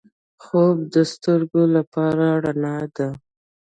خوب د سترګو لپاره رڼا ده